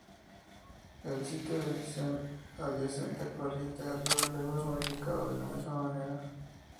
El sitio de edición adyacente corriente arriba, luego es modificado de la misma manera.